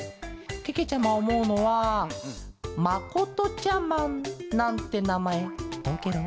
けけちゃまおもうのはまことちゃマンなんてなまえどうケロ？